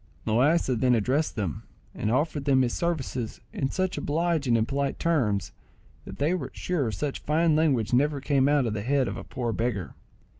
Loaysa then addressed them, and offered them his services in such obliging and polite terms, that they were sure such fine language never came out of the head of a poor beggar.